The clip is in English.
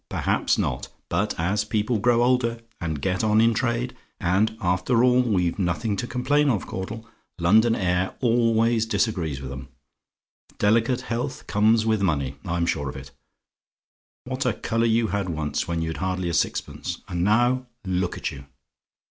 Perhaps not. But as people grow older, and get on in trade and, after all, we've nothing to complain of, Caudle London air always disagrees with 'em. Delicate health comes with money: I'm sure of it. What a colour you had once, when you'd hardly a sixpence; and now, look at you!